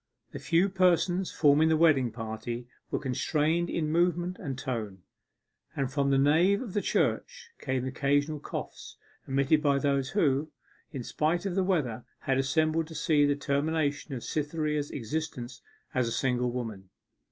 The few persons forming the wedding party were constrained in movement and tone, and from the nave of the church came occasional coughs, emitted by those who, in spite of the weather, had assembled to see the termination of Cytherea's existence as a single woman.